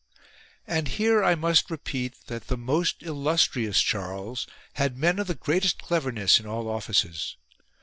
And here I must repeat that the most illustrious Charles had men of the greatest cleverness in all offices.